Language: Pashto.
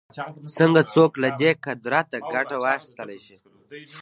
څنګه څوک له دې قدرته ګټه واخیستلای شي